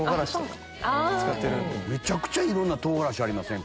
めちゃくちゃいろんな唐辛子ありません？